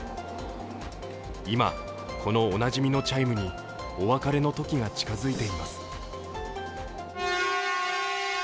今、このおなじみのチャイムにお別れの時が近付いています。